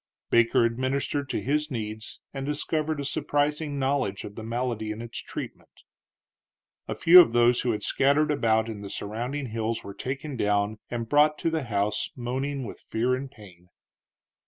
Baker administered to his needs, and discovered a surprising knowledge of the malady and its treatment. A few of those who had scattered about in the surrounding hills were taken down and brought to the house moaning with fear and pain.